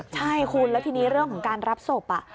ใช่คุณแล้วทีนี้เรื่องของการรับศพ